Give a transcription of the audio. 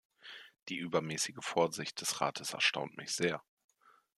Die übermäßige Vorsicht des Rates erstaunt mich sehr.